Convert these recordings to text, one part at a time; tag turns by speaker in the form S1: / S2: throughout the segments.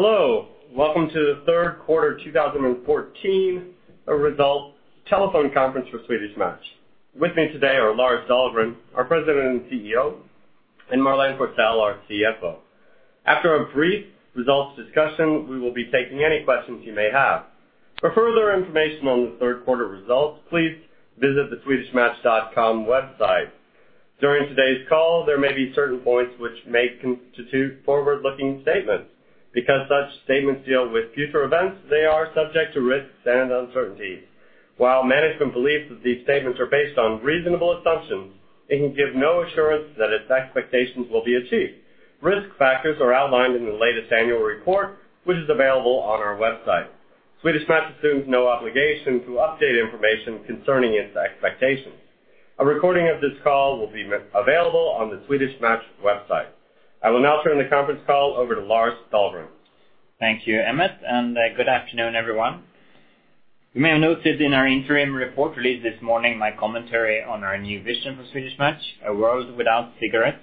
S1: Hello, welcome to the third quarter 2014 results telephone conference for Swedish Match. With me today are Lars Dahlgren, our President and CEO, and Marlene Forsell, our CFO. After a brief results discussion, we will be taking any questions you may have. For further information on the third quarter results, please visit the swedishmatch.com website. During today's call, there may be certain points which may constitute forward-looking statements. Because such statements deal with future events, they are subject to risks and uncertainties. While management believes that these statements are based on reasonable assumptions, it can give no assurance that its expectations will be achieved. Risk factors are outlined in the latest annual report, which is available on our website. Swedish Match assumes no obligation to update information concerning its expectations. A recording of this call will be available on the Swedish Match website. I will now turn the conference call over to Lars Dahlgren.
S2: Thank you, Emmett, and good afternoon, everyone. You may have noted in our interim report released this morning, my commentary on our new vision for Swedish Match, a world without cigarettes.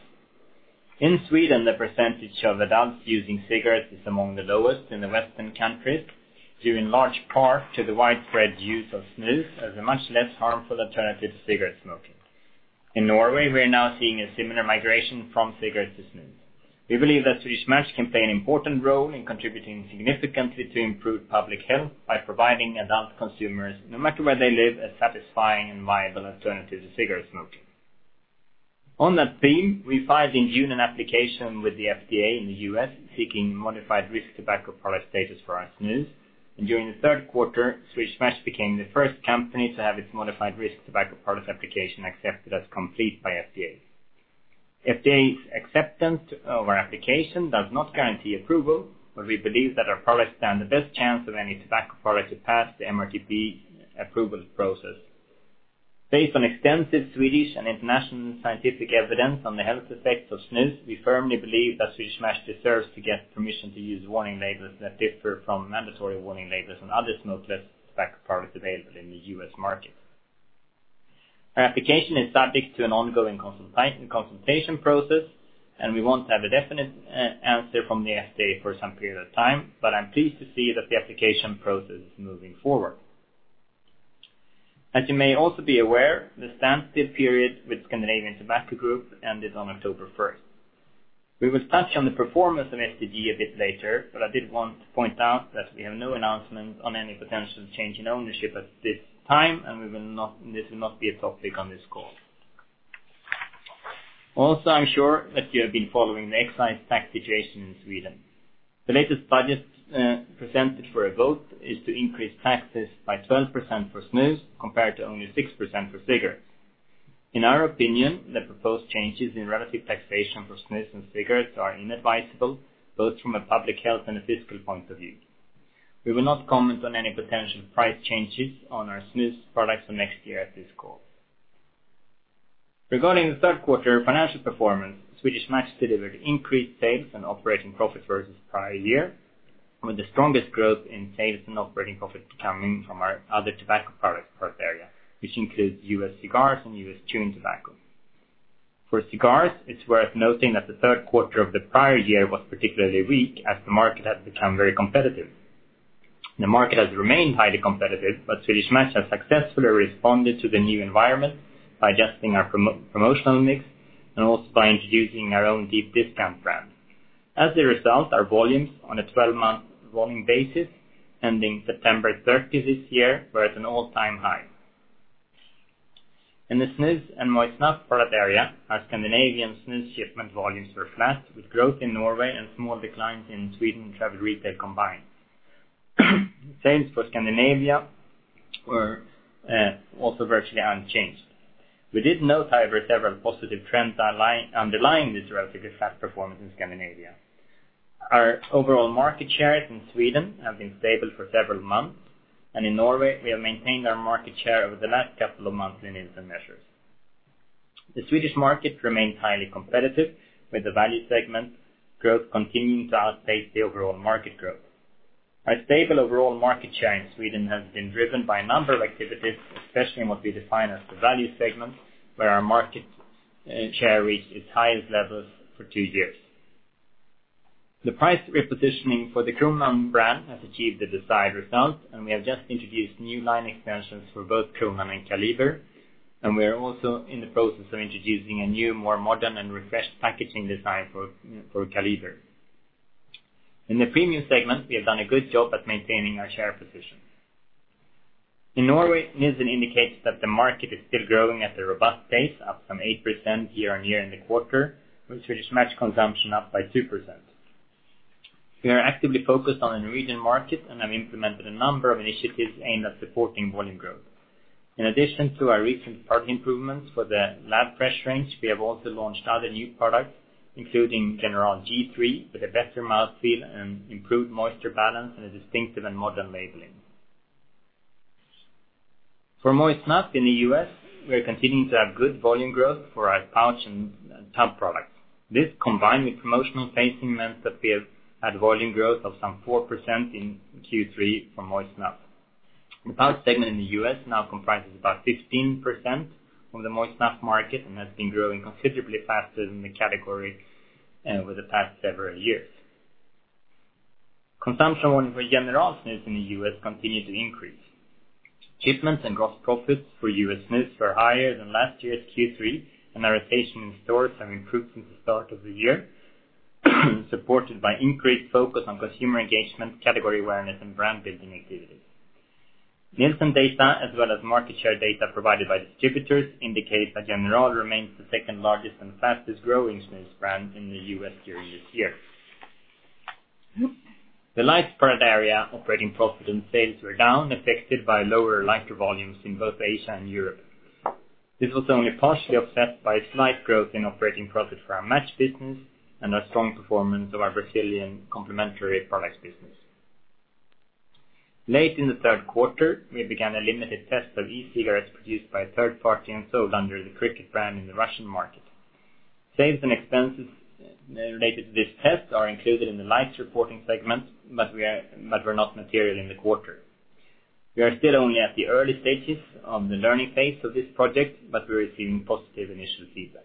S2: In Sweden, the percentage of adults using cigarettes is among the lowest in the Western countries, due in large part to the widespread use of snus as a much less harmful alternative to cigarette smoking. In Norway, we are now seeing a similar migration from cigarettes to snus. We believe that Swedish Match can play an important role in contributing significantly to improved public health by providing adult consumers, no matter where they live, a satisfying and viable alternative to cigarette smoking. On that theme, we filed in June an application with the FDA in the U.S. seeking modified risk tobacco product status for our snus, and during the third quarter, Swedish Match became the first company to have its modified risk tobacco product application accepted as complete by FDA. FDA's acceptance of our application does not guarantee approval, but we believe that our products stand the best chance of any tobacco product to pass the MRTP approval process. Based on extensive Swedish and international scientific evidence on the health effects of snus, we firmly believe that Swedish Match deserves to get permission to use warning labels that differ from mandatory warning labels on other smokeless tobacco products available in the U.S. market. Our application is subject to an ongoing consultation process, and we won't have a definite answer from the FDA for some period of time, but I'm pleased to see that the application process is moving forward. As you may also be aware, the standstill period with Scandinavian Tobacco Group ended on October 1st. We will touch on the performance of STG a bit later, but I did want to point out that we have no announcement on any potential change in ownership at this time, and this will not be a topic on this call. I'm sure that you have been following the excise tax situation in Sweden. The latest budget presented for a vote is to increase taxes by 12% for snus, compared to only 6% for cigarettes. In our opinion, the proposed changes in relative taxation for snus and cigarettes are inadvisable, both from a public health and a fiscal point of view. We will not comment on any potential price changes on our snus products for next year at this call. Regarding the third quarter financial performance, Swedish Match delivered increased sales and operating profits versus prior year, with the strongest growth in sales and operating profit coming from our other tobacco product area, which includes U.S. cigars and U.S. chewing tobacco. For cigars, it's worth noting that the third quarter of the prior year was particularly weak as the market had become very competitive. The market has remained highly competitive, but Swedish Match has successfully responded to the new environment by adjusting our promotional mix and also by introducing our own deep discount brand. As a result, our volumes on a 12-month rolling basis ending September 30 this year, were at an all-time high. In the snus and moist snuff product area, our Scandinavian snus shipment volumes were flat with growth in Norway and small declines in Sweden travel retail combined. Sales for Scandinavia were also virtually unchanged. We did note, however, several positive trends underlying this relatively flat performance in Scandinavia. Our overall market shares in Sweden have been stable for several months, and in Norway, we have maintained our market share over the last couple of months in instant measures. The Swedish market remains highly competitive with the value segment growth continuing to outpace the overall market growth. Our stable overall market share in Sweden has been driven by a number of activities, especially in what we define as the value segment, where our market share reached its highest levels for two years. The price repositioning for the Kronan brand has achieved the desired result, and we have just introduced new line extensions for both Kronan and Kaliber, and we are also in the process of introducing a new, more modern and refreshed packaging design for Kaliber. In the premium segment, we have done a good job at maintaining our share position. In Norway, Nielsen indicates that the market is still growing at a robust pace, up some 8% year-on-year in the quarter, with Swedish Match consumption up by 2%. We are actively focused on the Norwegian market and have implemented a number of initiatives aimed at supporting volume growth. In addition to our recent product improvements for The Lab Fresh range, we have also launched other new products, including General G.3 with a better mouthfeel and improved moisture balance and a distinctive and modern labeling. For moist snuff in the U.S., we are continuing to have good volume growth for our pouch and tub products. This, combined with promotional pacing, meant that we have had volume growth of some 4% in Q3 for moist snuff. The power segment in the U.S. now comprises about 15% of the moist snuff market and has been growing considerably faster than the category over the past several years. Consumption of General Snus in the U.S. continued to increase. Shipments and gross profits for U.S. snus were higher than last year's Q3. Our rotation in stores have improved since the start of the year, supported by increased focus on consumer engagement, category awareness, and brand-building activities. Nielsen data, as well as market share data provided by distributors, indicates that General remains the second-largest and fastest-growing snus brand in the U.S. during this year. The lights product area operating profit and sales were down, affected by lower lighter volumes in both Asia and Europe. This was only partially offset by a slight growth in operating profit for our Match business and our strong performance of our Brazilian complementary products business. Late in the third quarter, we began a limited test of e-cigarettes produced by a third party and sold under the Cricket brand in the Russian market. Sales and expenses related to this test are included in the lights reporting segment, but were not material in the quarter. We are still only at the early stages of the learning phase of this project, but we're receiving positive initial feedback.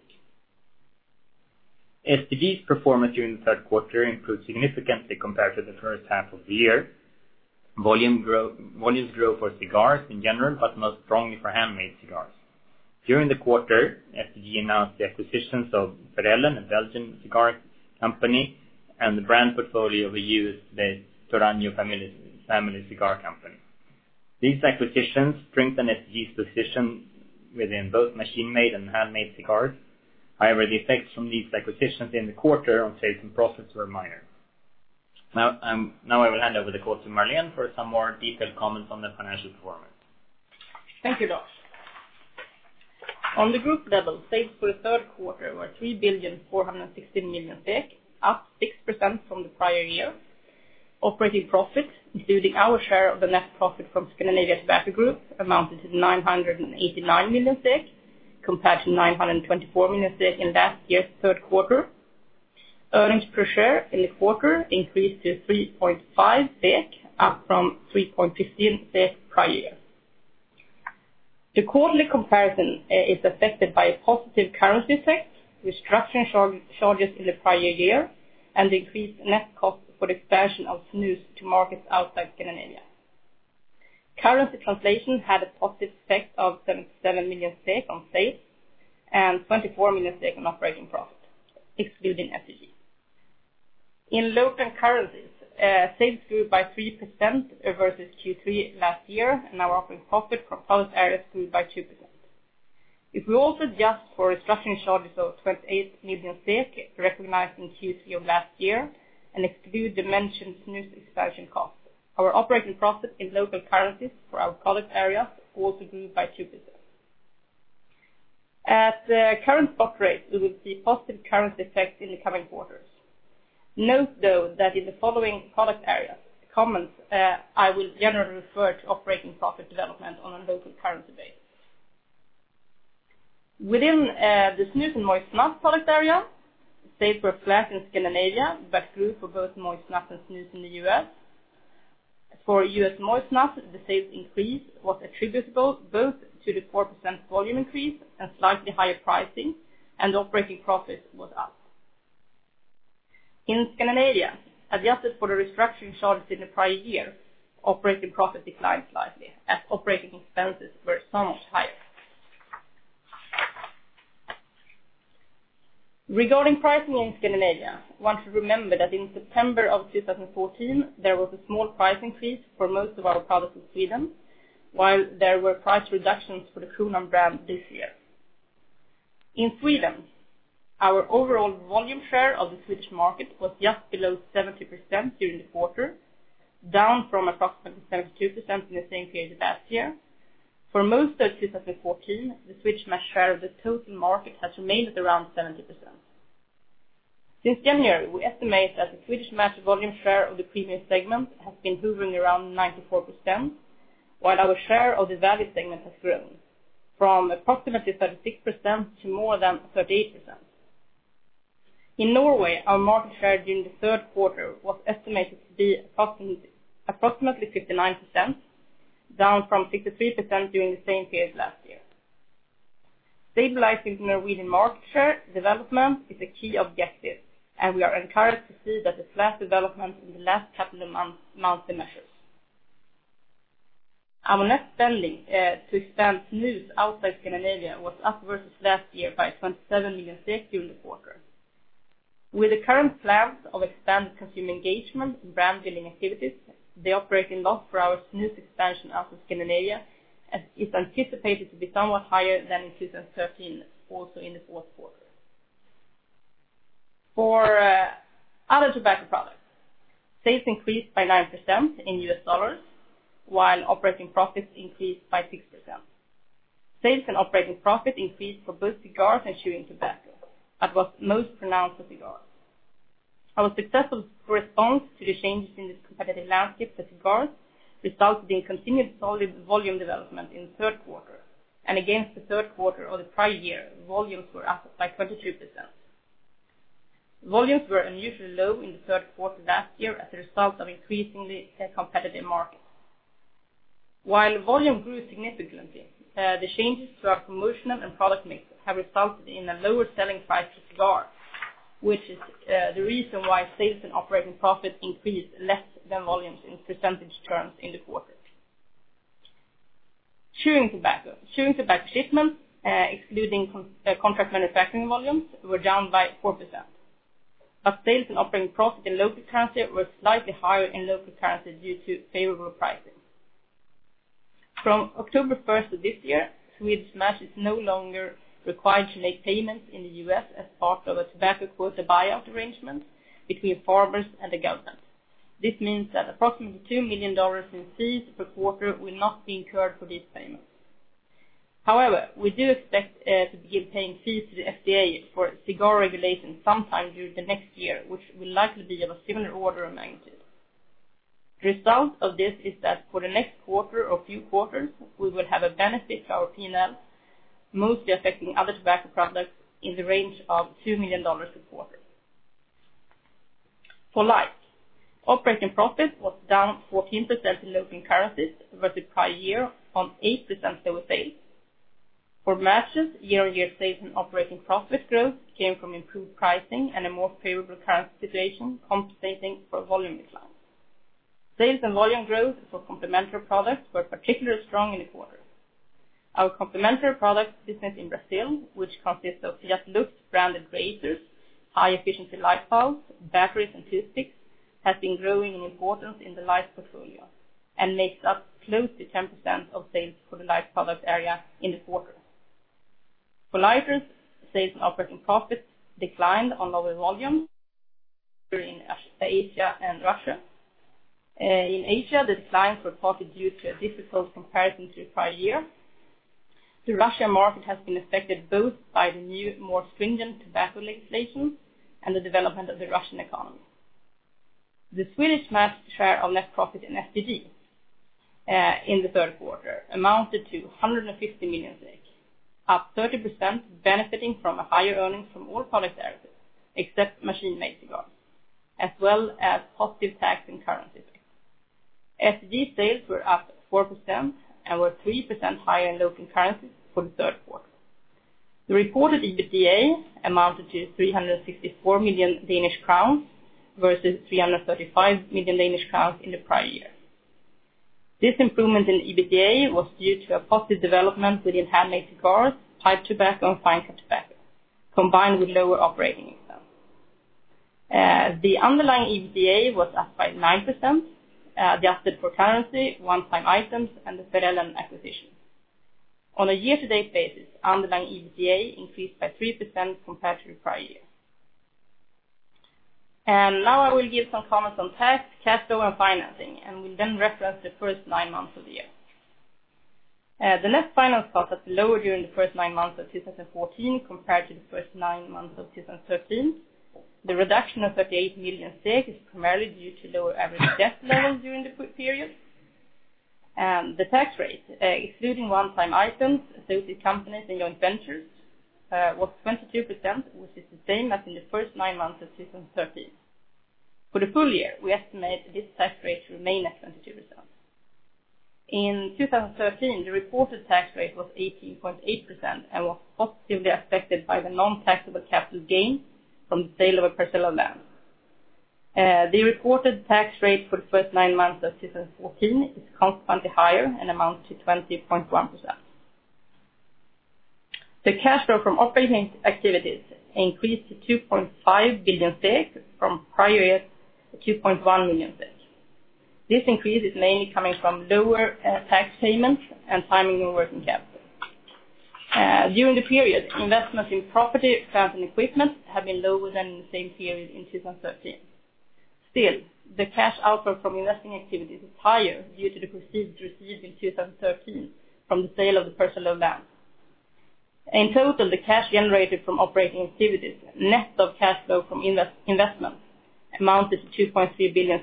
S2: STG's performance during the third quarter improved significantly compared to the first half of the year. Volumes grew for cigars in general, but most strongly for handmade cigars. During the quarter, STG announced the acquisitions of Verellen, a Belgian cigar company, and the brand portfolio of the Toraño Family Cigar Company. These acquisitions strengthen STG's position within both machine-made and handmade cigars. However, the effects from these acquisitions in the quarter on sales and profits were minor. Now, I will hand over the call to Marlene for some more detailed comments on the financial performance.
S3: Thank you, Lars. On the group level, sales for the third quarter were 3,416 million, up 6% from the prior year. Operating profit, including our share of the net profit from Scandinavian Tobacco Group, amounted to 989 million, compared to 924 million in last year's third quarter. Earnings per share in the quarter increased to 3.5 SEK, up from 3.15 SEK prior year. The quarterly comparison is affected by a positive currency effect, restructuring charges in the prior year, and increased net cost for the expansion of snus to markets outside Scandinavia. Currency translation had a positive effect of 77 million on sales and 24 million on operating profit, excluding STG. In local currencies, sales grew by 3% versus Q3 last year, and our operating profit from all areas grew by 2%. If we also adjust for restructuring charges of 28 million recognized in Q3 of last year and exclude the mentioned snus expansion costs, our operating profit in local currencies for our product areas also grew by 2%. At the current spot rate, we will see positive currency effects in the coming quarters. Note, though, that in the following product areas comments, I will generally refer to operating profit development on a local currency base. Within the snus and moist snuff product area, sales were flat in Scandinavia but grew for both moist snuff and snus in the U.S. For U.S. moist snuff, the sales increase was attributable both to the 4% volume increase and slightly higher pricing, and operating profit was up. In Scandinavia, adjusted for the restructuring charges in the prior year, operating profit declined slightly as operating expenses were somewhat higher. Regarding pricing in Scandinavia, one should remember that in September of 2014, there was a small price increase for most of our products in Sweden, while there were price reductions for the Kronan brand this year. In Sweden, our overall volume share of the Swedish market was just below 70% during the quarter, down from approximately 72% in the same period last year. For most of 2014, the Swedish Match share of the total market has remained at around 70%. Since January, we estimate that the Swedish Match volume share of the previous segment has been hovering around 94%, while our share of the value segment has grown from approximately 36% to more than 38%. In Norway, our market share during the third quarter was estimated to be approximately 59%, down from 63% during the same period last year. Stabilizing the Norwegian market share development is a key objective, we are encouraged to see that the flat development in the last couple of months measures. Our net spending to expand snus outside Scandinavia was up versus last year by 27 million during the quarter. With the current plans of expanded consumer engagement and brand-building activities, the operating loss for our snus expansion out of Scandinavia is anticipated to be somewhat higher than in 2013, also in the fourth quarter. For other tobacco products, sales increased by 9% in US dollars, while operating profits increased by 6%. Sales and operating profit increased for both cigars and chewing tobacco, but was most pronounced for cigars. Our successful response to the changes in the competitive landscape for cigars resulted in continued solid volume development in the third quarter. Against the third quarter of the prior year, volumes were up by 23%. Volumes were unusually low in the third quarter last year as a result of increasingly competitive markets. While volume grew significantly, the changes to our promotional and product mix have resulted in a lower selling price of cigar, which is the reason why sales and operating profit increased less than volumes in percentage terms in the quarter. Chewing tobacco shipments, excluding contract manufacturing volumes, were down by 4%. Sales and operating profit in local currency were slightly higher in local currency due to favorable pricing. From October 1st of this year, Swedish Match is no longer required to make payments in the U.S. as part of a tobacco quota buyout arrangement between farmers and the government. This means that approximately $2 million in fees per quarter will not be incurred for these payments. We do expect to begin paying fees to the FDA for cigar regulation sometime during the next year, which will likely be of a similar order of magnitude. The result of this is that for the next quarter or few quarters, we will have a benefit to our P&L, mostly affecting other tobacco products in the range of $2 million per quarter. For lights, operating profit was down 14% in local currencies versus prior year on 8% lower sales. For matches, year-on-year sales and operating profit growth came from improved pricing and a more favorable currency situation compensating for volume decline. Sales and volume growth for complementary products were particularly strong in the quarter. Our complementary products business in Brazil, which consists of Gillette LUB branded razors, high-efficiency light bulbs, batteries, and toothpicks, has been growing in importance in the light portfolio and makes up close to 10% of sales for the light product area in this quarter. For lighters, sales and operating profits declined on lower volume during Asia and Russia. In Asia, the decline was partly due to a difficult comparison to prior year. The Russia market has been affected both by the more stringent tobacco legislation and the development of the Russian economy. The Swedish Match share of net profit in FPG in the third quarter amounted to 150 million, up 30%, benefiting from higher earnings from all product areas except machine-made cigars, as well as positive tax and currency gains. FPG sales were up 4% and were 3% higher in local currencies for the third quarter. The reported EBITDA amounted to 364 million Danish crowns versus 335 million Danish crowns in the prior year. This improvement in EBITDA was due to a positive development within handmade cigars, pipe tobacco, and fine cut tobacco, combined with lower operating income. The underlying EBITDA was up by 9%, adjusted for currency, one-time items, and the Verellen acquisition. On a year-to-date basis, underlying EBITDA increased by 3% compared to the prior year. Now I will give some comments on tax, cash flow, and financing, and will then reference the first nine months of the year. The net finance cost was lower during the first nine months of 2014 compared to the first nine months of 2013. The reduction of 38 million is primarily due to lower average debt levels during the period. The tax rate, excluding one-time items, associate companies and joint ventures, was 22%, which is the same as in the first nine months of 2013. For the full year, we estimate this tax rate to remain at 22%. In 2013, the reported tax rate was 18.8% and was positively affected by the non-taxable capital gain from the sale of a parcel of land. The reported tax rate for the first nine months of 2014 is consequently higher and amounts to 20.1%. The cash flow from operating activities increased to 2.5 billion from prior year 2.1 million. This increase is mainly coming from lower tax payments and timing of working capital. During the period, investments in property, plant, and equipment have been lower than in the same period in 2013. The cash outflow from investing activities is higher due to the proceeds received in 2013 from the sale of the parcel of land. In total, the cash generated from operating activities, net of cash flow from investment, amounted to 2.3 billion.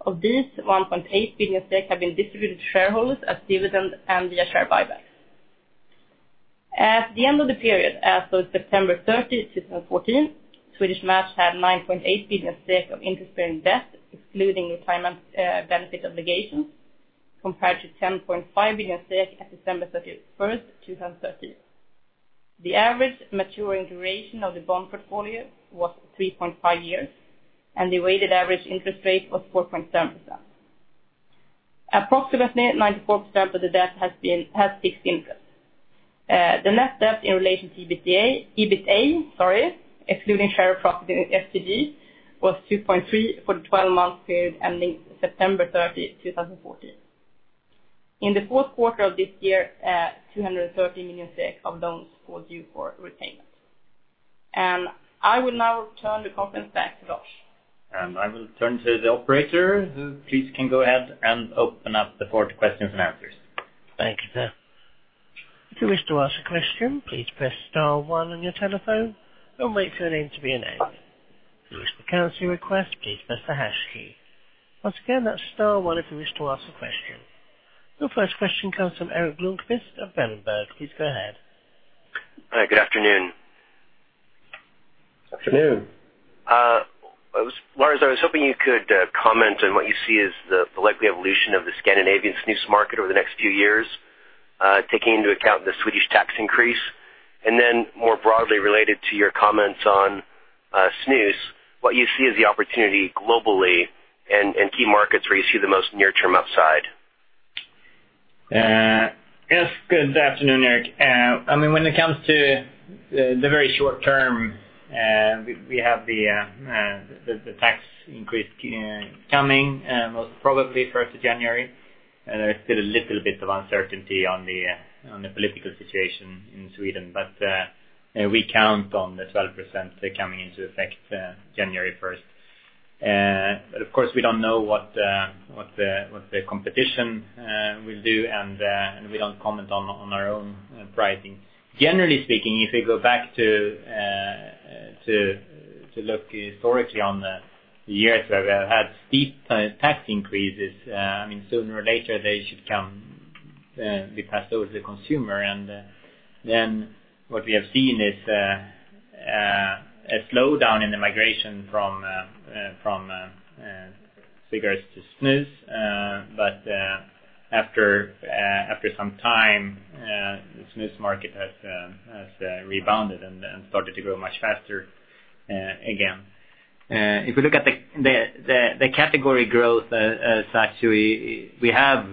S3: Of this, 1.8 billion have been distributed to shareholders as dividends and via share buybacks. At the end of the period, as of September 30th, 2014, Swedish Match had 9.8 billion of interest-bearing debt, excluding retirement benefit obligations, compared to 10.5 billion as of December 31st, 2013. The average maturing duration of the bond portfolio was 3.5 years, and the weighted average interest rate was 4.7%. Approximately 94% of the debt has fixed interest. The net debt in relation to EBITDA excluding share of profit in FPG, was 2.3 for the 12-month period ending September 30, 2014. In the fourth quarter of this year, 230 million SEK of loans were due for repayment. I will now turn the conference back to Lars.
S2: I will turn to the operator, who please can go ahead and open up the floor to questions and answers.
S4: Thank you, sir. If you wish to ask a question, please press star one on your telephone and wait for your name to be announced. If you wish to cancel your request, please press the hash key. Once again, that's star one if you wish to ask a question. Your first question comes from Erik Bloomquist of Berenberg. Please go ahead.
S5: Hi, good afternoon.
S2: Afternoon.
S5: Lars, I was hoping you could comment on what you see as the likely evolution of the Scandinavian snus market over the next few years, taking into account the Swedish tax increase. Then more broadly related to your comments on snus, what you see as the opportunity globally and key markets where you see the most near-term upside.
S2: Yes. Good afternoon, Erik. When it comes to the very short term, we have the tax increase coming, most probably 1st of January. There is still a little bit of uncertainty on the political situation in Sweden. We count on the 12% coming into effect January 1st. Of course, we don't know what the competition will do, and we don't comment on our own pricing. Generally speaking, if we go back to look historically on the years where we have had steep tax increases, sooner or later they should come be passed over to the consumer. Then what we have seen is a slowdown in the migration from cigarettes to snus. After some time, the snus market has rebounded and started to grow much faster again. If we look at the category growth as actually we have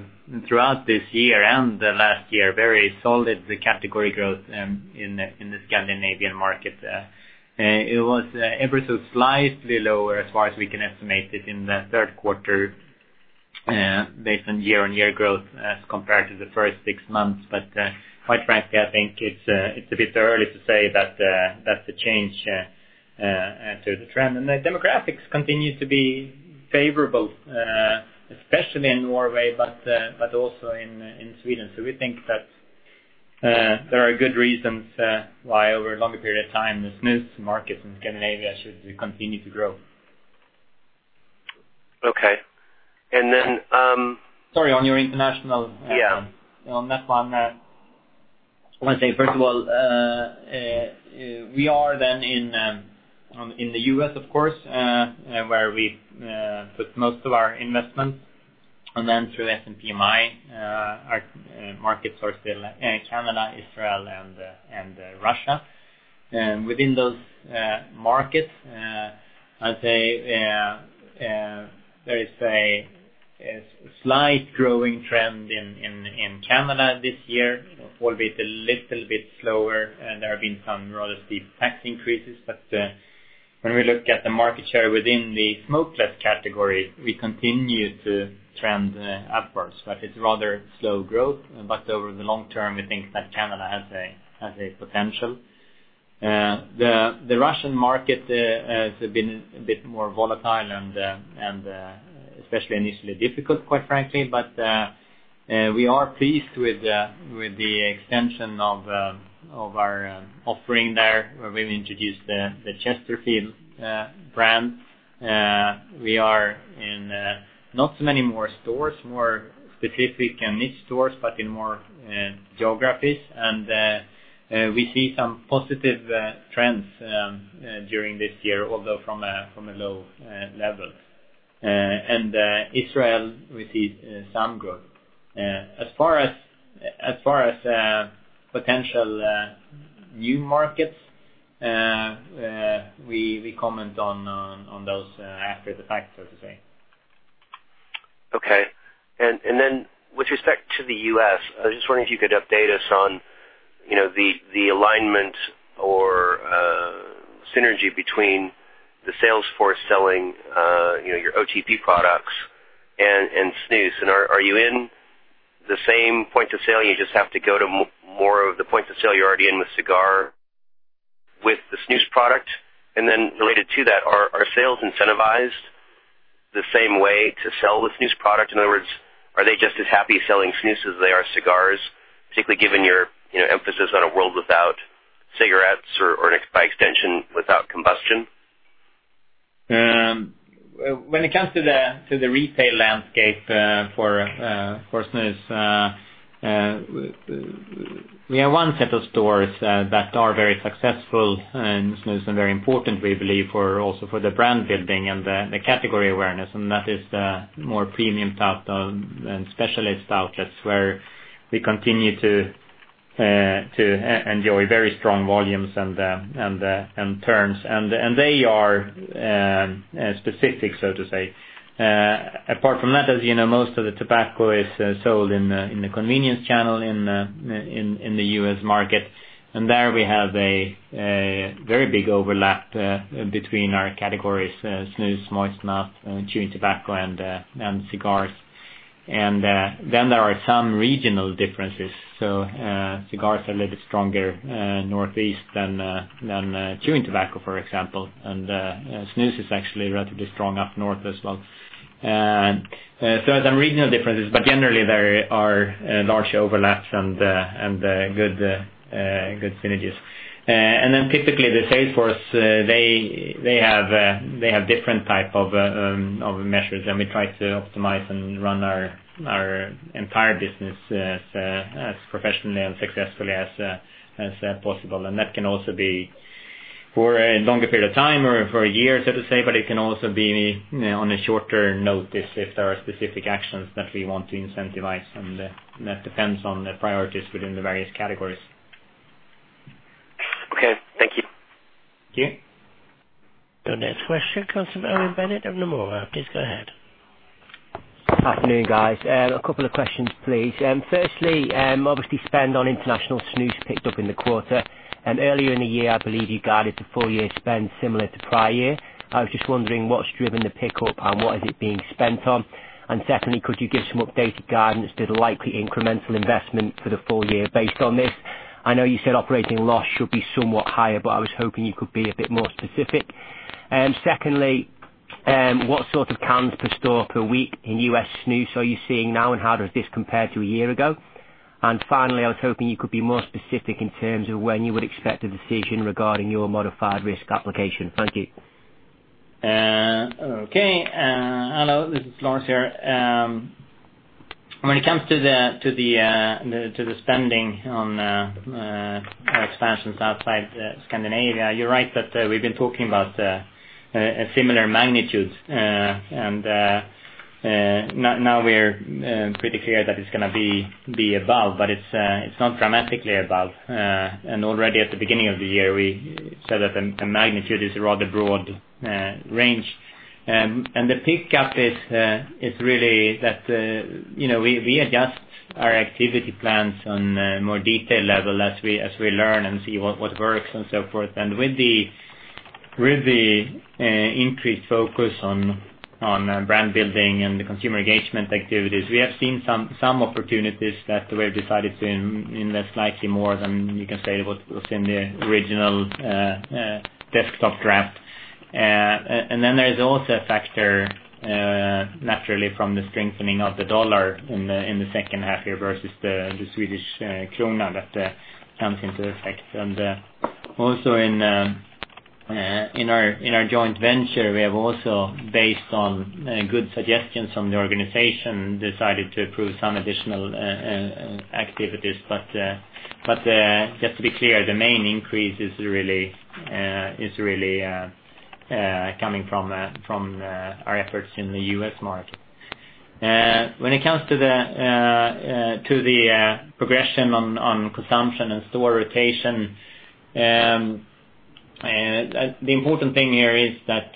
S2: throughout this year and the last year, very solid the category growth in the Scandinavian market. It was ever so slightly lower as far as we can estimate it in the third quarter based on year-over-year growth as compared to the first six months. Quite frankly, I think it's a bit early to say that's a change to the trend. The demographics continue to be favorable, especially in Norway, but also in Sweden. We think that there are good reasons why over a longer period of time, the snus market in Scandinavia should continue to grow.
S5: Okay.
S2: Sorry, on your international-
S5: Yeah
S2: on that one, I want to say, first of all, we are then in the U.S., of course, where we put most of our investment. Through SMPI, our markets are still Canada, Israel, and Russia. Within those markets, I'd say there is a slight growing trend in Canada this year, albeit a little bit slower. There have been some rather steep tax increases. When we look at the market share within the smokeless category, we continue to trend upwards. It's rather slow growth. Over the long term, we think that Canada has a potential. The Russian market has been a bit more volatile and especially initially difficult, quite frankly. We are pleased with the extension of our offering there, where we've introduced the Chesterfield brand. We are in not so many more stores, more specifically in niche stores, but in more geographies. We see some positive trends during this year, although from a low level. In Israel, we see some growth. As far as potential new markets, we comment on those after the fact, so to say.
S5: With respect to the U.S., I was just wondering if you could update us on the alignment or synergy between the sales force selling your OTP products and snus. Are you in the same point of sale, you just have to go to more of the points of sale you're already in with cigar, with the snus product? Related to that, are sales incentivized the same way to sell the snus product? In other words, are they just as happy selling snus as they are cigars, particularly given your emphasis on a world without cigarettes or by extension, without combustion?
S2: When it comes to the retail landscape for snus, we have one set of stores that are very successful in snus and very important, we believe, also for the brand building and the category awareness. That is the more premium and specialist outlets where we continue to enjoy very strong volumes and turns. They are specific, so to say. Apart from that, as you know, most of the tobacco is sold in the convenience channel in the U.S. market. There we have a very big overlap between our categories: snus, moist snuff, chewing tobacco, and cigars. Then there are some regional differences. So cigars are a little bit stronger Northeast than chewing tobacco, for example. Snus is actually relatively strong up North as well. So there's some regional differences, but generally there are large overlaps and good synergies. Typically the sales force, they have different type of measures, and we try to optimize and run our entire business as professionally and successfully as possible. That can also be for a longer period of time or for a year, so to say, but it can also be on a shorter note if there are specific actions that we want to incentivize. That depends on the priorities within the various categories.
S5: Okay. Thank you.
S2: Thank you.
S4: Your next question comes from Owen Bennett of Nomura. Please go ahead.
S6: Good afternoon, guys. A couple of questions, please. Firstly, obviously spend on international snus picked up in the quarter. Earlier in the year, I believe you guided the full year spend similar to prior year. I was just wondering what's driven the pickup and what is it being spent on. Secondly, could you give some updated guidance to the likely incremental investment for the full year based on this? I know you said operating loss should be somewhat higher, but I was hoping you could be a bit more specific. Secondly, what sort of cans per store per week in U.S. snus are you seeing now, and how does this compare to a year ago? Finally, I was hoping you could be more specific in terms of when you would expect a decision regarding your modified risk application. Thank you.
S2: Okay. Hello, this is Lars here. When it comes to the spending on our expansions outside Scandinavia, you are right that we have been talking about a similar magnitude. Now we are pretty clear that it is going to be above, but it is not dramatically above. Already at the beginning of the year, we said that the magnitude is a rather broad range. The pickup is really that we adjust our activity plans on a more detail level as we learn and see what works and so forth. With the increased focus on brand building and the consumer engagement activities, we have seen some opportunities that we have decided to invest likely more than you can say was in the original desktop draft. There is also a factor, naturally from the strengthening of the U.S. dollar in the second half-year versus the SEK that comes into effect. In our joint venture, we have also, based on good suggestions from the organization, decided to approve some additional activities. Just to be clear, the main increase is really coming from our efforts in the U.S. market. When it comes to the progression on consumption and store rotation, the important thing here is that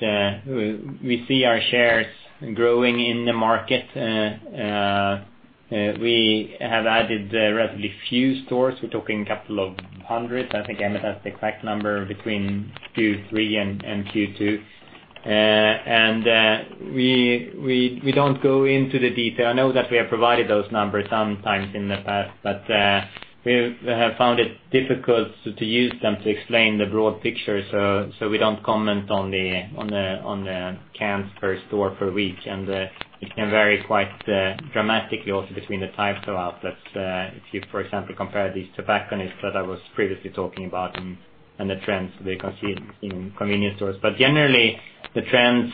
S2: we see our shares growing in the market. We have added relatively few stores. We are talking a couple of hundred. I think Emmett has the exact number, between Q3 and Q2. We do not go into the detail. I know that we have provided those numbers sometimes in the past, but we have found it difficult to use them to explain the broad picture. We do not comment on the cans per store per week. It can vary quite dramatically also between the types of outlets. If you, for example, compare these tobacconists that I was previously talking about and the trends we can see in convenience stores. Generally, the trends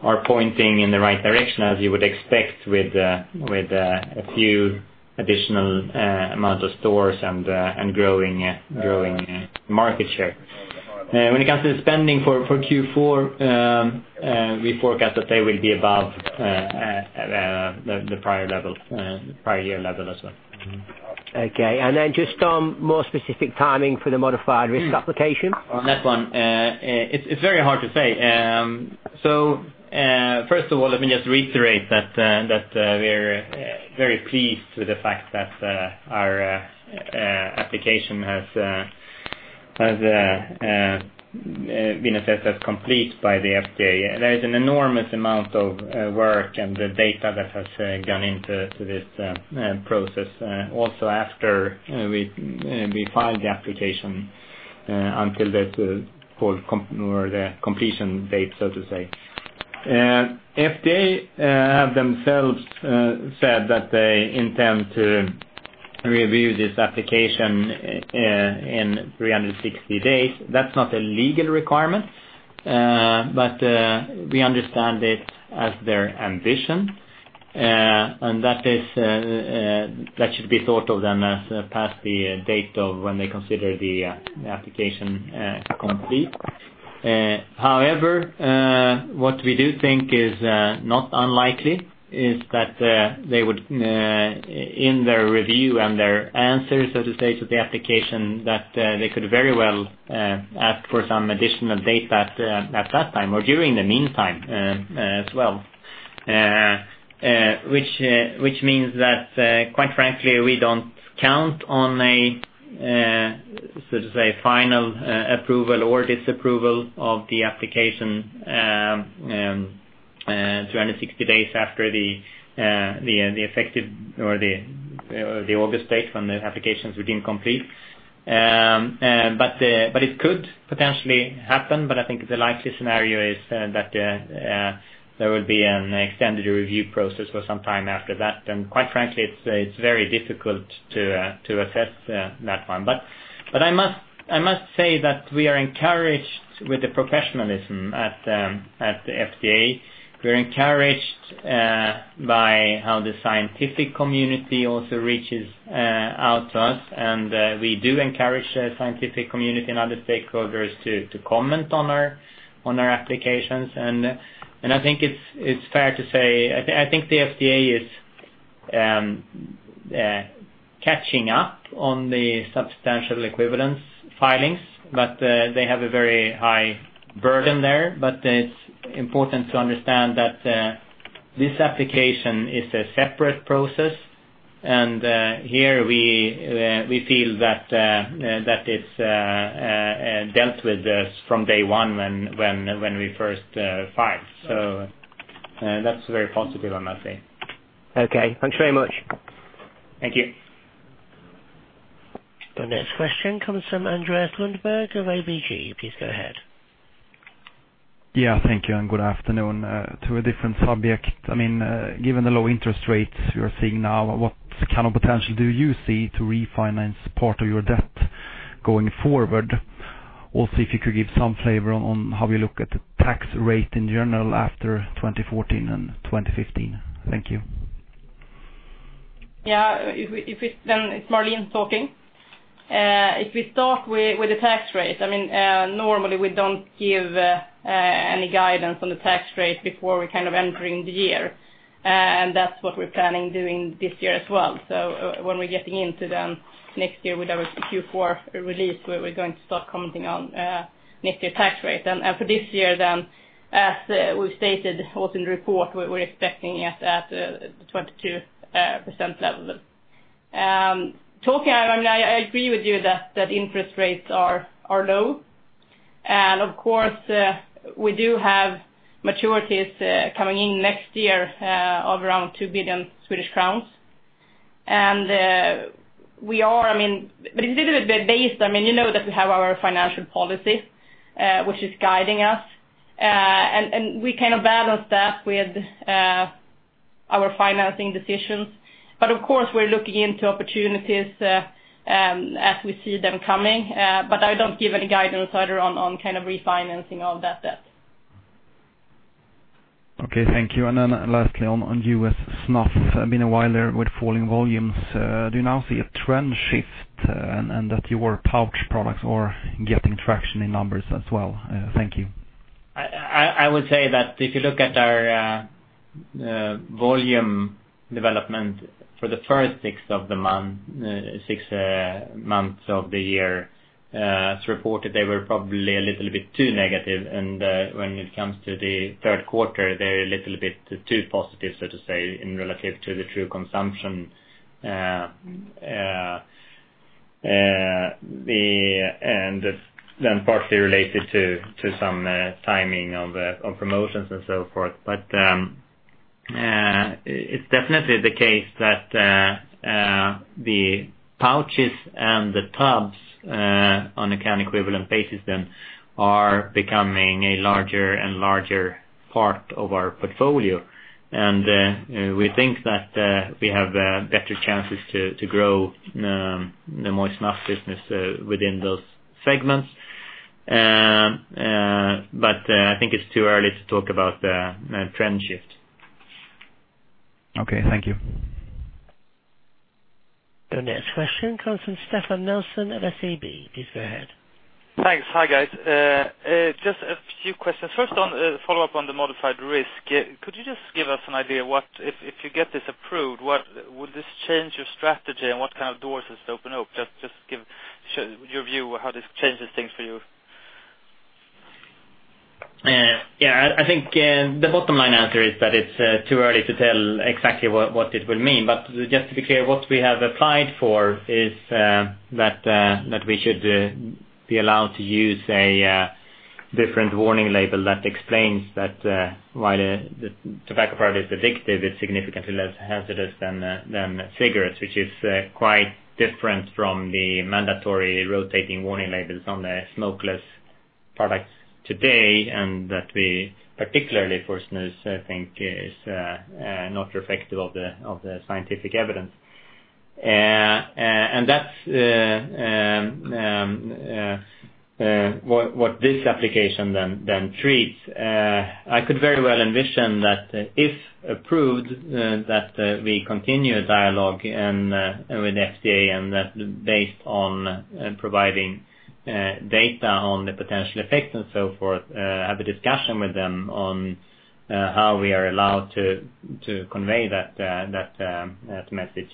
S2: are pointing in the right direction, as you would expect with a few additional amount of stores and growing market share. When it comes to the spending for Q4, we forecast that they will be above the prior year level as well.
S6: Okay. Just on more specific timing for the modified risk application.
S2: On that one, it's very hard to say. First of all, let me just reiterate that we're very pleased with the fact that our application has been assessed as complete by the FDA. There is an enormous amount of work and the data that has gone into this process, also after we filed the application, until the completion date, so to say. FDA have themselves said that they intend to review this application in 360 days. That's not a legal requirement, but we understand it as their ambition. That should be thought of then as past the date of when they consider the application complete. What we do think is not unlikely is that they would, in their review and their answers, so to say, to the application, that they could very well ask for some additional data at that time or during the meantime as well, which means that, quite frankly, we don't count on a, so to say, final approval or disapproval of the application 360 days after the effective or the August date when the application's deemed complete. It could potentially happen, but I think the likely scenario is that there would be an extended review process for some time after that. Quite frankly, it's very difficult to assess that one. I must say that we are encouraged with the professionalism at the FDA. We're encouraged by how the scientific community also reaches out to us. We do encourage the scientific community and other stakeholders to comment on our applications. I think it's fair to say, I think the FDA is catching up on the substantial equivalence filings, but they have a very high burden there. It's important to understand that this application is a separate process. Here we feel that it's dealt with this from day one when we first filed. That's very positive on that day.
S6: Okay. Thanks very much.
S2: Thank you.
S4: The next question comes from Andreas Lundberg of ABG. Please go ahead.
S7: Thank you, good afternoon. To a different subject. Given the low interest rates you're seeing now, what kind of potential do you see to refinance part of your debt going forward? If you could give some flavor on how we look at the tax rate in general after 2014 and 2015. Thank you.
S3: It's Marlene talking. If we start with the tax rate, normally we don't give any guidance on the tax rate before we're entering the year. That's what we're planning doing this year as well. When we're getting into next year with our Q4 release, we're going to start commenting on next year tax rate. For this year then, as we've stated, also in the report, we're expecting it at the 22% level. Talking, I agree with you that interest rates are low. Of course, we do have maturities coming in next year of around 2 billion Swedish crowns. It's a little bit based, you know that we have our financial policy, which is guiding us. We kind of balance that with our financing decisions. Of course, we're looking into opportunities as we see them coming. I don't give any guidance either on refinancing all that debt.
S7: Okay, thank you. Lastly, on U.S. snuff. It's been a while there with falling volumes. Do you now see a trend shift and that your pouch products are getting traction in numbers as well? Thank you.
S2: I would say that if you look at our volume development for the first six months of the year as reported, they were probably a little bit too negative. When it comes to the third quarter, they're a little bit too positive, so to say, in relative to the true consumption. Partly related to some timing of promotions and so forth. It's definitely the case that the pouches and the tubs on account equivalent basis then are becoming a larger and larger part of our portfolio. We think that we have better chances to grow the moist snuff business within those segments. I think it's too early to talk about the trend shift.
S7: Okay, thank you.
S4: The next question comes from Stefan Nelson of SEB. Please go ahead.
S8: Thanks. Hi, guys. Just a few questions. First, follow up on the modified risk. Could you just give us an idea, if you get this approved, would this change your strategy and what kind of doors does this open up? Just give your view of how this changes things for you.
S2: Yeah. I think the bottom line answer is that it's too early to tell exactly what it will mean. Just to be clear, what we have applied for is that we should be allowed to use a different warning label that explains that while the tobacco product is addictive, it's significantly less hazardous than cigarettes, which is quite different from the mandatory rotating warning labels on the smokeless products today. That we, particularly for snus, I think is not reflective of the scientific evidence. That's what this application then treats. I could very well envision that if approved, that we continue a dialogue with FDA and that based on providing data on the potential effects and so forth, have a discussion with them on how we are allowed to convey that message.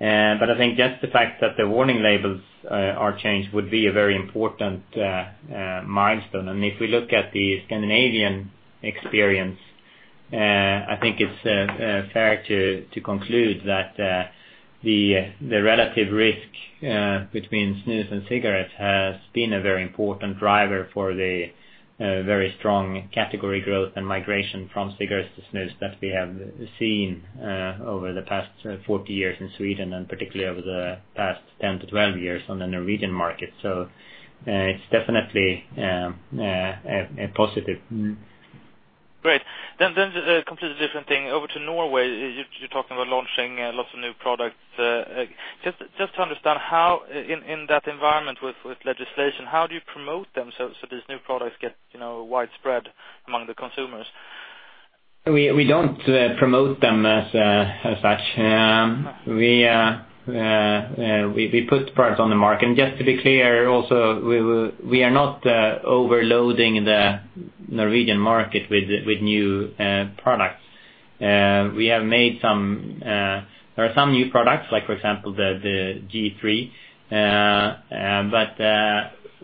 S2: I think just the fact that the warning labels are changed would be a very important milestone. If we look at the Scandinavian experience, I think it's fair to conclude that the relative risk between snus and cigarettes has been a very important driver for the very strong category growth and migration from cigarettes to snus that we have seen over the past 40 years in Sweden, particularly over the past 7-12 years on the Norwegian market. It's definitely a positive.
S8: Great. A completely different thing. Over to Norway, you are talking about launching lots of new products. Just to understand how, in that environment with legislation, how do you promote them so these new products get widespread among the consumers?
S2: We don't promote them as such. We put products on the market. Just to be clear also, we are not overloading the Norwegian market with new products. We have made some new products, like for example, the G.3.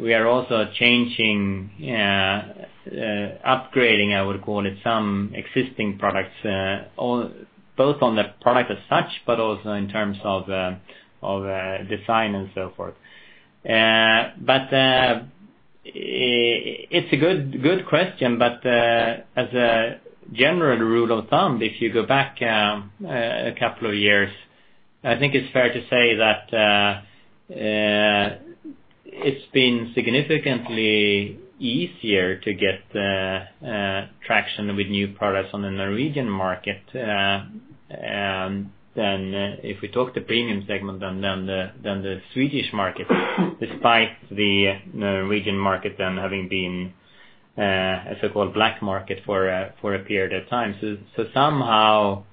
S2: We are also changing, upgrading, I would call it, some existing products, both on the product as such, but also in terms of the design and so forth. It is a good question, as a general rule of thumb, if you go back a couple of years, I think it is fair to say that it has been significantly easier to get traction with new products on the Norwegian market. If we took the premium segment than the Swedish market, despite the Norwegian market then having been a so-called black market for a period of time. Somehow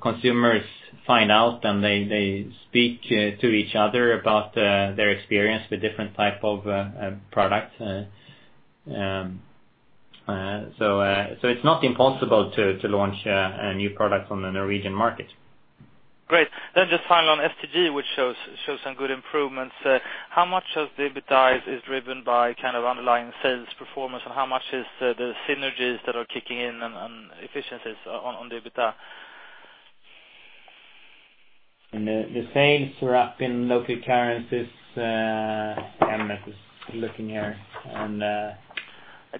S2: consumers find out and they speak to each other about their experience with different type of products. It is not impossible to launch a new product on the Norwegian market.
S8: Great. Just final on STG, which shows some good improvements. How much of the EBITDA is driven by kind of underlying sales performance, and how much is the synergies that are kicking in on efficiencies on EBITDA?
S2: The sales are up in local currencies. I'm just looking here.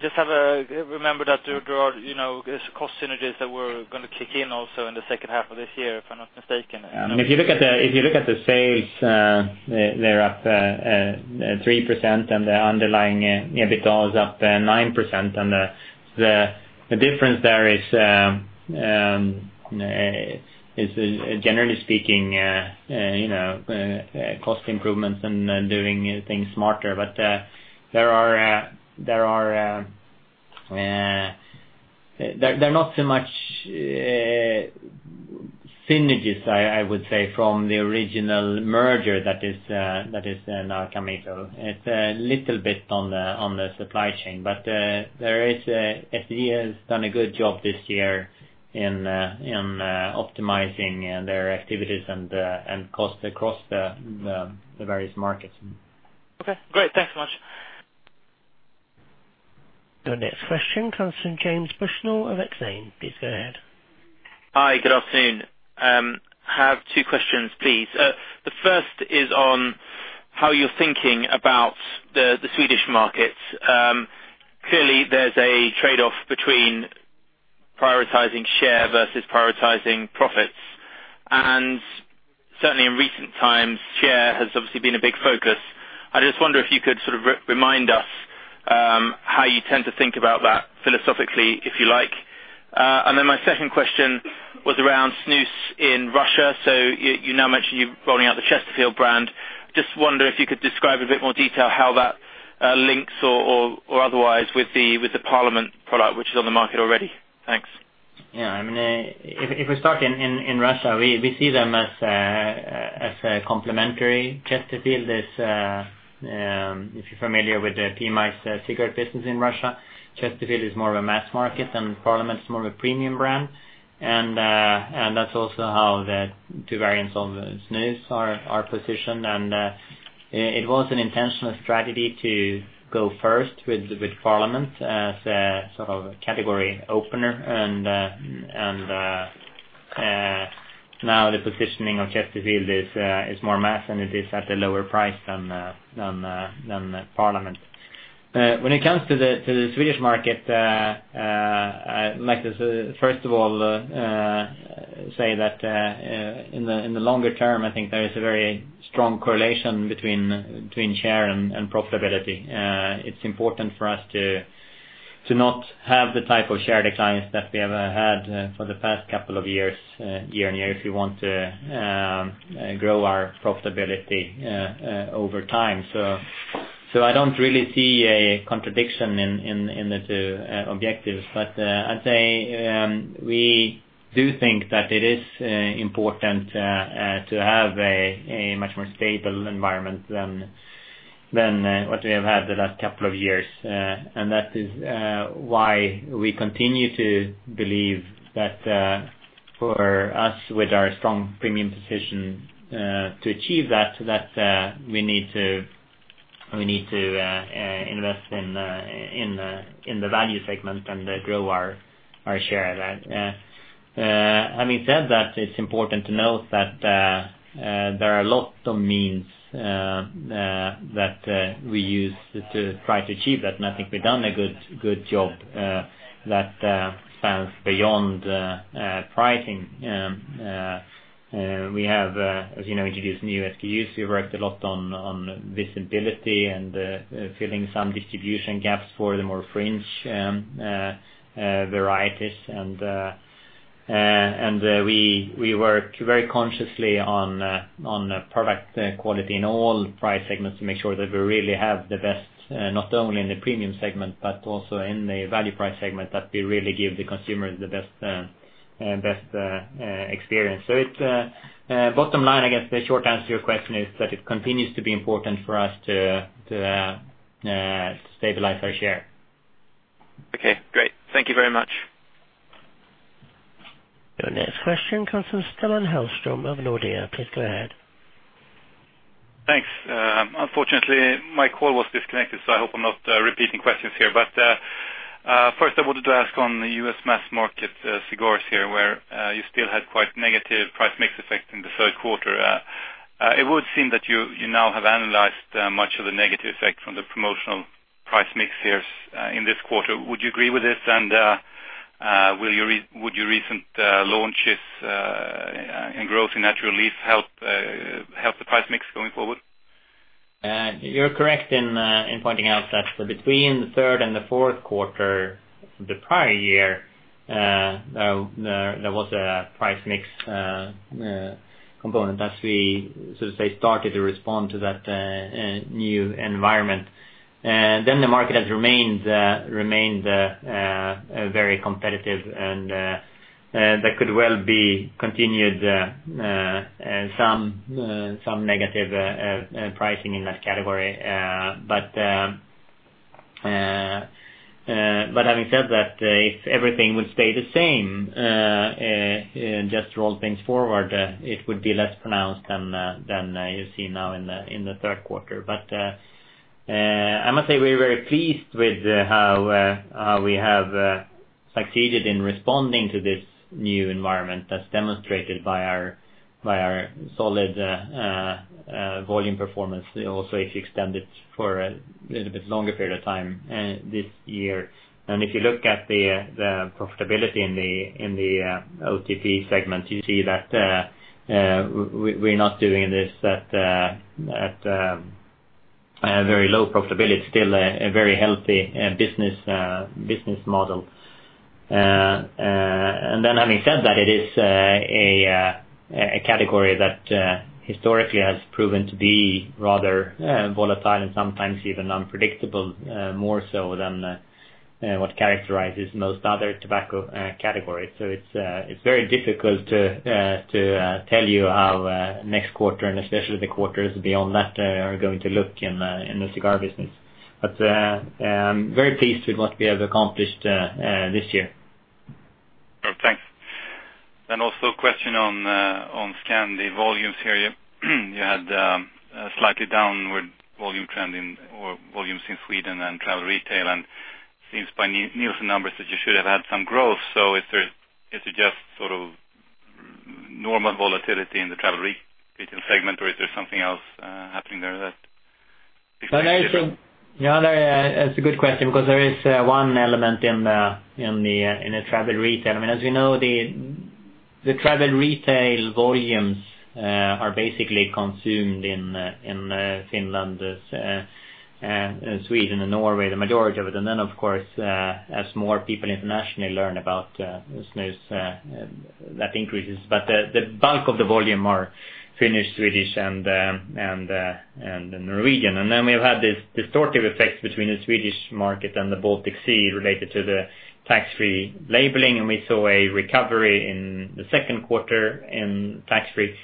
S8: Remember that there are cost synergies that were going to kick in also in the second half of this year, if I'm not mistaken.
S2: If you look at the sales, they're up 3% and the underlying EBITDA is up 9%. The difference there is generally speaking cost improvements and doing things smarter. There are not so much synergies, I would say, from the original merger that is now coming. It's a little bit on the supply chain. STG has done a good job this year in optimizing their activities and cost across the various markets.
S8: Okay, great. Thanks much.
S4: The next question comes from James Bushnell of Exane. Please go ahead.
S9: Hi, good afternoon. I have two questions, please. The first is on how you're thinking about the Swedish market. Clearly, there's a trade-off between prioritizing share versus prioritizing profits, and certainly in recent times, share has obviously been a big focus. I just wonder if you could sort of remind us, how you tend to think about that philosophically, if you like. My second question was around snus in Russia. You now mentioned you rolling out the Chesterfield brand. Just wonder if you could describe a bit more detail how that links or otherwise with the Parliament product, which is on the market already. Thanks.
S2: Yeah. If we start in Russia, we see them as complementary. Chesterfield is, if you're familiar with PMI's cigarette business in Russia, Chesterfield is more of a mass market and Parliament's more of a premium brand. That's also how the two variants of snus are positioned. It was an intentional strategy to go first with Parliament as a sort of category opener. Now the positioning of Chesterfield is more mass, and it is at a lower price than Parliament. When it comes to the Swedish market, I'd like to, first of all, say that in the longer term, I think there is a very strong correlation between share and profitability. It's important for us to not have the type of share declines that we have had for the past couple of year on year if we want to grow our profitability over time. I don't really see a contradiction in the two objectives, but I'd say we do think that it is important to have a much more stable environment than what we have had the last couple of years. That is why we continue to believe that for us, with our strong premium position to achieve that, we need to invest in the value segment and grow our share at that. Having said that, it's important to note that there are lots of means that we use to try to achieve that, and I think we've done a good job that spans beyond pricing. We have, as you know, introduced new SKUs. We worked a lot on visibility and filling some distribution gaps for the more fringe varieties. We work very consciously on product quality in all price segments to make sure that we really have the best, not only in the premium segment, but also in the value price segment, that we really give the consumers the best experience. Bottom line, I guess the short answer to your question is that it continues to be important for us to stabilize our share.
S9: Okay, great. Thank you very much.
S4: Your next question comes from Stellan Hellström of Nordea. Please go ahead.
S10: Thanks. Unfortunately, my call was disconnected, so I hope I'm not repeating questions here. First I wanted to ask on the U.S. mass market cigars here, where you still had quite negative price mix effect in the third quarter. It would seem that you now have analyzed much of the negative effect from the promotional price mix here in this quarter. Would you agree with this, and would your recent launches in growth in Natural Leaf help the price mix going forward?
S2: You're correct in pointing out that between the third and the fourth quarter of the prior year, there was a price mix component as we started to respond to that new environment. The market has remained very competitive and there could well be continued some negative pricing in that category. Having said that, if everything would stay the same, just roll things forward, it would be less pronounced than you see now in the third quarter. I must say, we're very pleased with how we have succeeded in responding to this new environment as demonstrated by our solid volume performance, also if you extend it for a little bit longer period of time this year. If you look at the profitability in the OTP segment, you see that we're not doing this at a very low profitability. It's still a very healthy business model. Having said that, it is a category that historically has proven to be rather volatile and sometimes even unpredictable, more so than what characterizes most other tobacco categories. It's very difficult to tell you how next quarter, and especially the quarters beyond that, are going to look in the cigar business. I'm very pleased with what we have accomplished this year.
S10: Thanks. Also a question on snus the volumes here. You had a slightly downward volume trend in, or volumes in Sweden and travel retail, and seems by Nielsen numbers that you should have had some growth. Is it just sort of normal volatility in the travel retail segment, or is there something else happening there?
S2: That's a good question, because there is one element in the travel retail. As we know, the travel retail volumes are basically consumed in Finland, Sweden, and Norway, the majority of it. Of course, as more people internationally learn about snus, that increases. The bulk of the volume are Finnish, Swedish, and the Norwegian. We've had this distortive effect between the Swedish market and the Baltic Sea related to the tax-free labeling, and we saw a recovery in the second quarter in tax-free,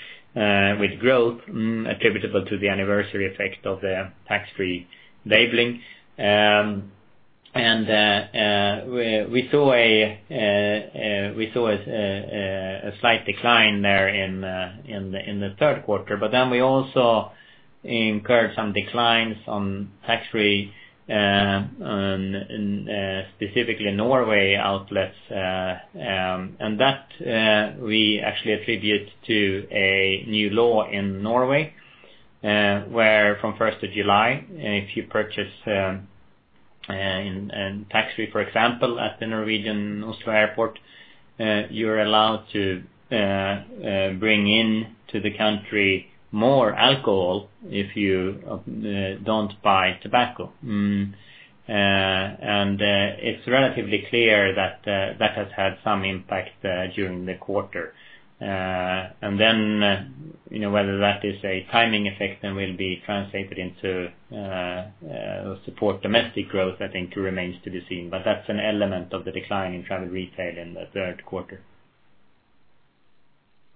S2: with growth attributable to the anniversary effect of the tax-free labeling. We saw a slight decline there in the third quarter. We also incurred some declines on tax-free, specifically in Norway outlets. That we actually attribute to a new law in Norway, where from 1st of July, if you purchase in tax-free, for example, at the Norwegian Oslo Airport, you're allowed to bring into the country more alcohol if you don't buy tobacco. It's relatively clear that that has had some impact during the quarter. Whether that is a timing effect and will be translated into or support domestic growth, I think remains to be seen, but that's an element of the decline in travel retail in the third quarter.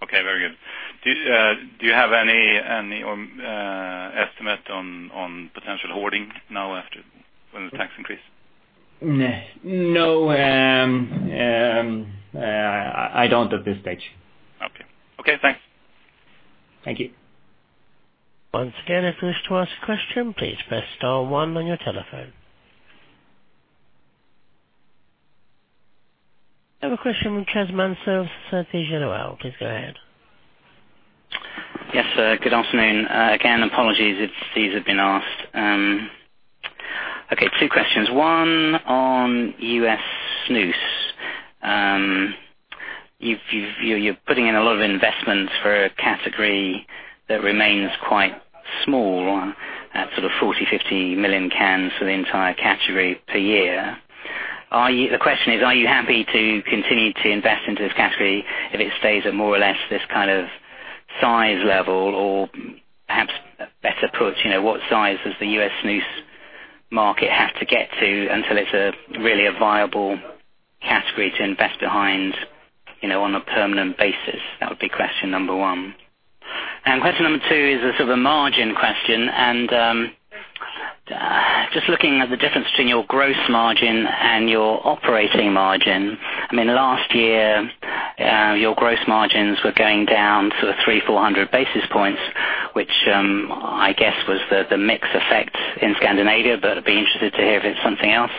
S10: Okay, very good. Do you have any estimate on potential hoarding now after the tax increase?
S2: No, I don't at this stage.
S10: Okay. Thanks.
S2: Thank you.
S4: Once again, if you wish to ask a question, please press star one on your telephone. I have a question from Chas Manso de Zúñiga. Please go ahead.
S11: Yes, good afternoon. Again, apologies if these have been asked. Okay, two questions. One on U.S. snus. You're putting in a lot of investments for a category that remains quite small, at sort of 40 million-50 million cans for the entire category per year. The question is, are you happy to continue to invest into this category if it stays at more or less this kind of size level? Or perhaps a better approach, what size does the U.S. snus market have to get to until it's really a viable category to invest behind on a permanent basis? That would be question number 1. Question number 2 is a sort of margin question. Just looking at the difference between your gross margin and your operating margin. Last year, your gross margins were going down sort of 300-400 basis points, which I guess was the mix effect in Scandinavia, but I'd be interested to hear if it's something else.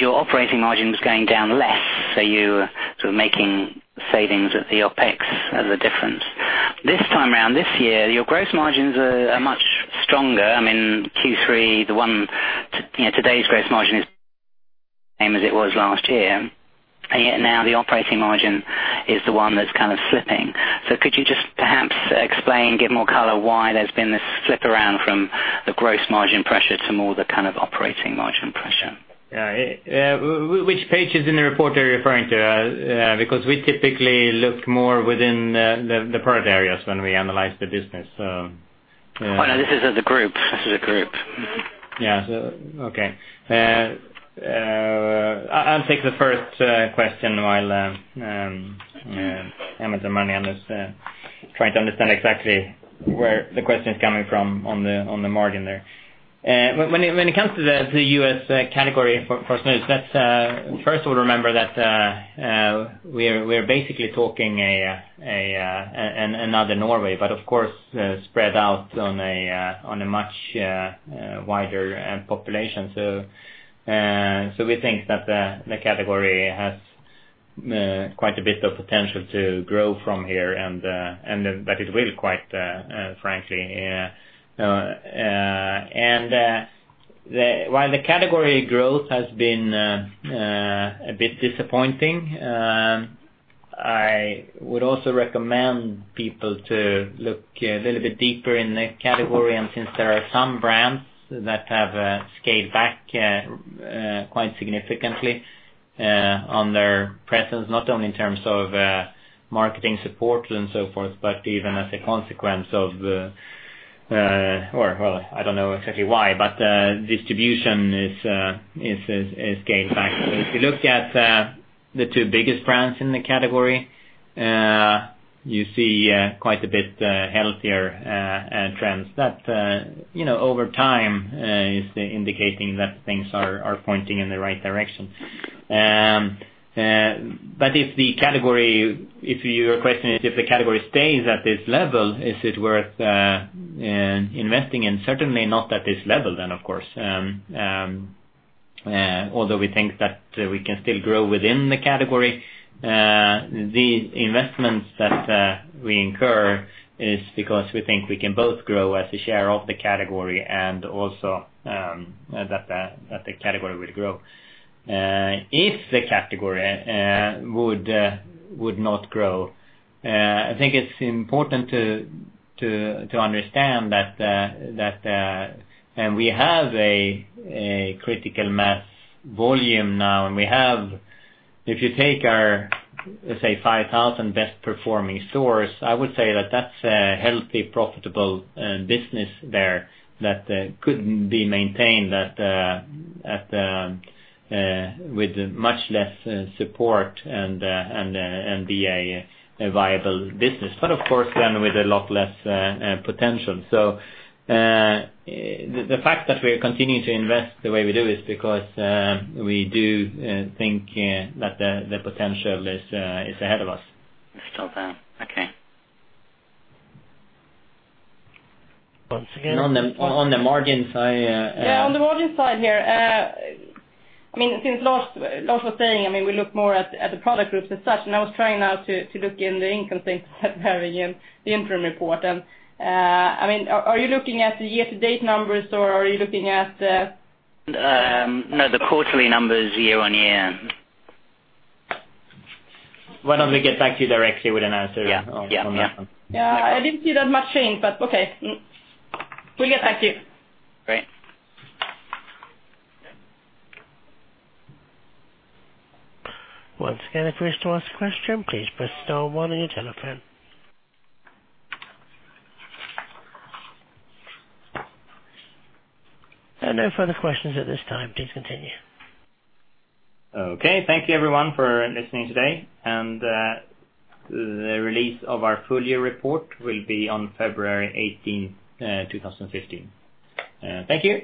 S11: Your operating margin was going down less, so you were making savings at the OPEX as a difference. This time around, this year, your gross margins are much stronger. In Q3, today's gross margin is the same as it was last year, yet now the operating margin is the one that's kind of slipping. Could you just perhaps explain, give more color why there's been this flip around from the gross margin pressure to more the kind of operating margin pressure?
S2: Which pages in the report are you referring to? We typically look more within the product areas when we analyze the business.
S11: Oh, no, this is as a group.
S2: Okay. I'll take the first question while Emmett or Marlene is trying to understand exactly where the question is coming from on the margin there. When it comes to the U.S. category for us, first of all, remember that we are basically talking another Norway, but of course, spread out on a much wider population. We think that the category has quite a bit of potential to grow from here and that is really quite frankly. While the category growth has been a bit disappointing, I would also recommend people to look a little bit deeper in the category, and since there are some brands that have scaled back quite significantly on their presence, not only in terms of marketing support and so forth, but even as a consequence of, well, I don't know exactly why, but distribution is scaled back. If you look at the two biggest brands in the category, you see quite a bit healthier trends that over time is indicating that things are pointing in the right direction. If your question is if the category stays at this level, is it worth investing in? Certainly not at this level then, of course. Although we think that we can still grow within the category. The investments that we incur is because we think we can both grow as a share of the category and also that the category will grow. If the category would not grow, I think it's important to understand that we have a critical mass volume now, and we have, if you take our, let's say, 5,000 best-performing stores, I would say that that's a healthy, profitable business there that could be maintained with much less support and be a viable business. Of course, then with a lot less potential. The fact that we are continuing to invest the way we do is because we do think that the potential is ahead of us.
S11: It's still there. Okay.
S2: Once again.
S11: On the margins side.
S3: On the margins side here, since Lars was saying we look more at the product groups as such, and I was trying now to look in the income statement having the interim report, and are you looking at the year-to-date numbers or are you looking at the?
S11: The quarterly numbers year on year.
S2: Why don't we get back to you directly with an answer on that one?
S11: Yeah.
S3: I didn't see that much change, but okay. We'll get back to you.
S11: Great.
S4: Once again, if you wish to ask a question, please press star one on your telephone. There are no further questions at this time. Please continue.
S2: Okay. Thank you everyone for listening today. The release of our full year report will be on February 18th, 2015. Thank you